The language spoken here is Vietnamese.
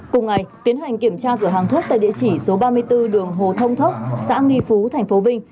cùng ngày tiến hành kiểm tra cửa hàng thuốc tại địa chỉ số ba mươi bốn đường hồ thông thốc xã nghi phú tp vinh